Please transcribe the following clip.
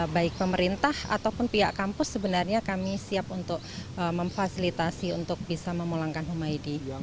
baik pemerintah ataupun pihak kampus sebenarnya kami siap untuk memfasilitasi untuk bisa memulangkan humaydi